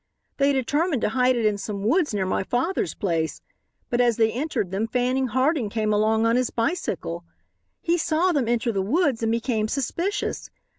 "They determined to hide it in some woods near my father's place; but as they entered them Fanning Harding came along on his bicycle. He saw them enter the woods and became suspicious.